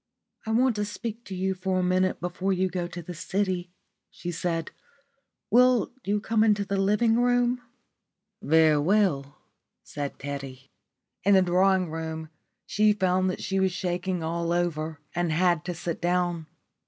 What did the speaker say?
"I want to speak to you for a minute before you go to the city," she said. "Will you come into the drawing room?" "Very well," said Teddy. In the drawing room she found that she was shaking all over and had to sit down.